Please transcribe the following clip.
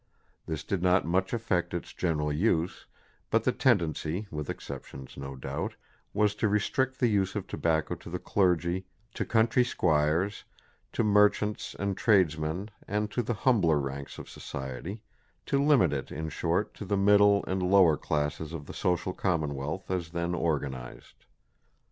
This did not much affect its general use; but the tendency with exceptions, no doubt was to restrict the use of tobacco to the clergy, to country squires, to merchants and tradesmen and to the humbler ranks of society to limit it, in short, to the middle and lower classes of the social commonwealth as then organized.